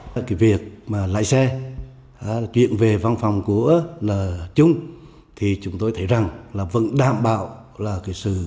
cái việc mà lại xe chuyện về văn phòng của là chung thì chúng tôi thấy rằng là vẫn đảm bảo là cái sự